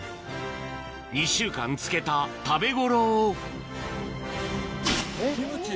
２週間漬けた食べ頃をキムチ？